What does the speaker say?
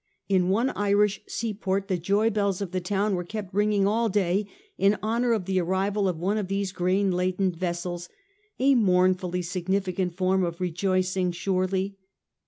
In one Irish seaport the joy bells of the town were kept ringing all day in honour of the arrival of one of these grain laden vessels — a mournfully signi ficant form of rejoicing surely.